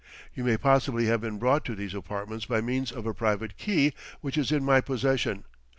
You may possibly have been brought to these apartments by means of a private key which is in my possession.